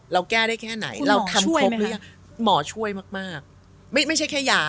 เราแก้ได้แค่ไหนคุณหมอช่วยไหมคะหมอช่วยมากไม่ใช่แค่ยา